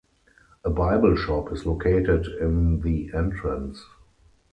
A bible shop is located in the entrance.